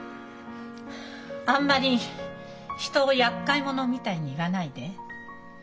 あんまり人を厄介者みたいに言わないで。